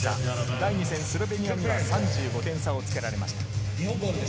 第２戦、スロベニアには３５点差をつけられました。